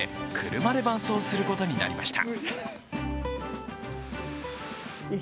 車で伴走することになりました。